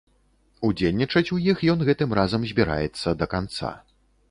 Удзельнічаць у іх ён гэтым разам збіраецца да канца.